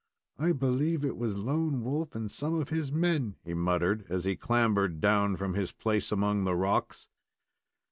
"I believe it was Lone Wolf and some of his men," he muttered, as he clambered down from his place among the rocks.